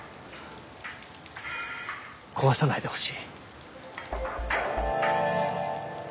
壊さないでほしい。